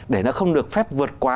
để nó không được phép vượt quá